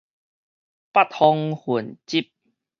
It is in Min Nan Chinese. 八方雲集